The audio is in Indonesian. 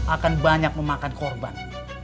akan banyak memakan korban